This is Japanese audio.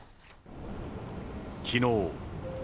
きのう。